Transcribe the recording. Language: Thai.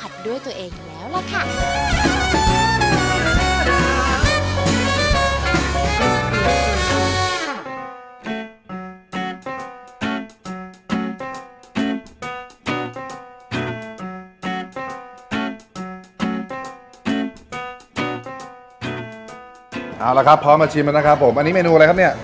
เอาละครับพร้อมมาชิมแล้วนะครับผมอันนี้เมนูอะไรครับเนี่ย